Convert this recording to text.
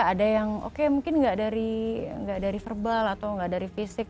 ada yang oke mungkin nggak dari verbal atau nggak dari fisik